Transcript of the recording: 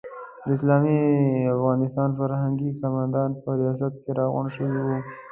د اسلامي افغانستان فرهنګي کارمندان په ریاست کې راغونډ شوي وو.